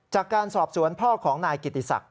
จากการสอบสวนพ่อของนายกิติศักดิ